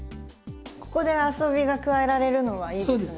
ここで遊びが加えられるのはいいですね。